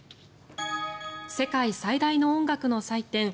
世界最大の音楽の祭典